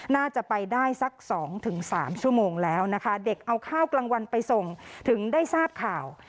น่าจะไปได้สัก๒๓ชั่วโมงแล้วนะคะเด็กเอาข้าวกลางวันไปส่งถึงได้ทราบข่าว